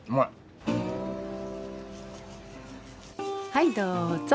はいどうぞ。